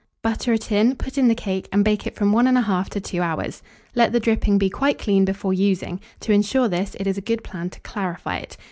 Butter a tin, put in the cake, and bake it from 11/2 to 2 hours. Let the dripping be quite clean before using: to insure this, it is a good plan to clarify it.